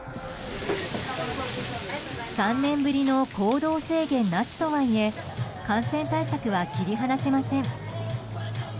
３年ぶりの行動制限なしとはいえ感染対策は切り離せません。